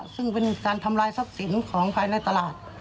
ซึ่งเป็นการทำลายทรัพย์สินของภายในตลาด